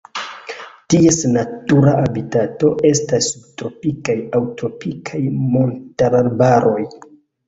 Ties natura habitato estas subtropikaj aŭ tropikaj montararbaroj.